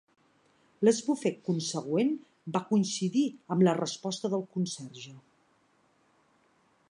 L'esbufec consegüent va coincidir amb la resposta del conserge.